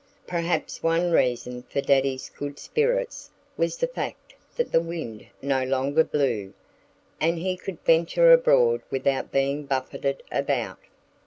Perhaps one reason for Daddy's good spirits was the fact that the wind no longer blew and he could venture abroad without being buffeted about.